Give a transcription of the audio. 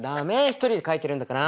一人で描いてるんだから。